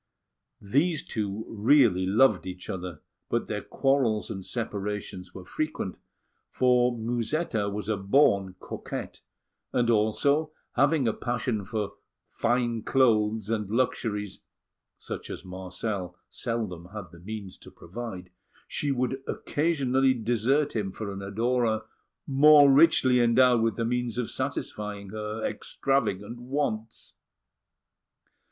These two really loved each other, but their quarrels and separations were frequent; for Musetta was a born coquette, and also having a passion for fine clothes and luxuries such as Marcel seldom had the means to provide, she would occasionally desert him for an adorer more richly endowed with the means of satisfying her extravagant wants.